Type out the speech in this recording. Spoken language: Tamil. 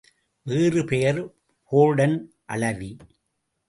வேறு பெயர் போர்டன் அளவி.